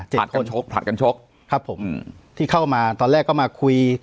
เจ็ดคนผลัดกันชกผลัดกันชกครับผมอืมที่เข้ามาตอนแรกเข้ามาคุย